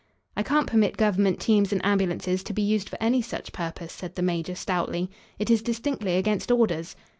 "I can't permit government teams and ambulances to be used for any such purpose," said the major, stoutly. "It is distinctly against orders."